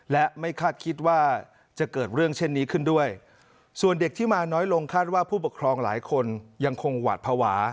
และไม่คาดคิดว่าจะเกิดเรื่องเช่นนี้ขึ้นด้วยส่วนเด็กที่มาน้อยลงคาดว่าผู้ปกครองหลายคนยังคงหวาดภาวะ